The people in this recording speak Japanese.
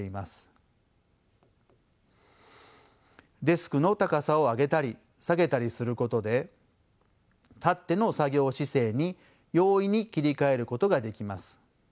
デスクの高さを上げたり下げたりすることで立っての作業姿勢に容易に切り替えることができます。